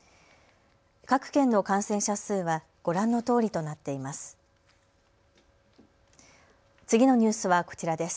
各県の感染者数はご覧のとおりとなっています。